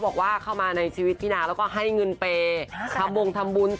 ตอนนี้ตามหาหัวของ